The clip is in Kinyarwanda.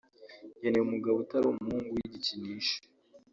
nkeneye umugabo utari umuhungu w’igikinisho